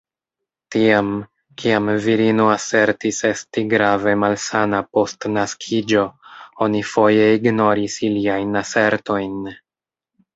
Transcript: Tiam, kiam virino asertis esti grave malsana post naskiĝo, oni foje ignoris iliajn asertojn.